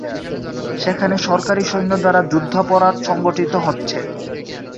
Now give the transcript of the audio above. সেখানে সরকারী সৈন্য দ্বারা যুদ্ধাপরাধ সংগঠিত হচ্ছে।